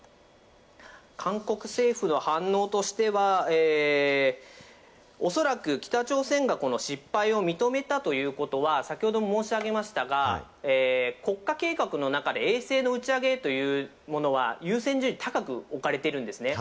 韓国政府の反応としては、おそらく北朝鮮がこの失敗を認めたということは、先ほども申し上げましたが、国家計画の中で衛星の打ち上げというものは優先順位、高く置かれているんですね。